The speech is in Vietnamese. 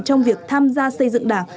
trong việc tham gia xây dựng đảng